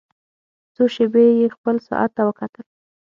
څو شېبې يې خپل ساعت ته وکتل.